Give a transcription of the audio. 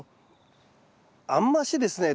あんましですね